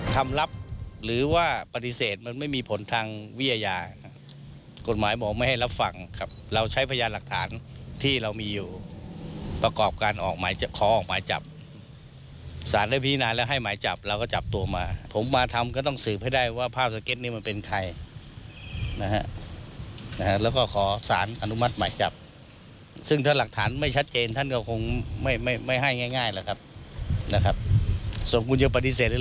แต่สิ่งที่หน้านักใจในการทำคดีนี้